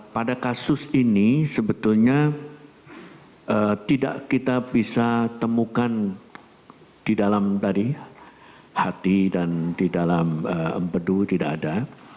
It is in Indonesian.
pada kasus ini sebetulnya tidak kita bisa temukan di dalam tadi hati dan di dalam empedu tidak ada